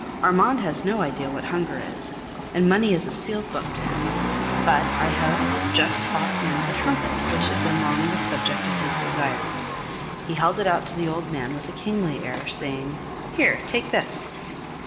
Armand has no idea what hunger is, and money is a sealed book to him; but I have just bought him a trumpet which had long been the object of his desires. He held it out to the old man with a kingly air, saying: "Here, take this!"